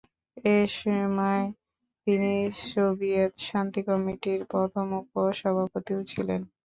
এসময় তিনি সোভিয়েত শান্তি কমিটির প্রথম উপ-সভাপতিও ছিলেন।